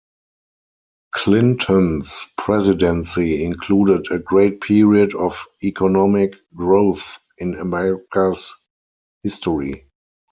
Clinton's presidency included a great period of economic growth in America's history.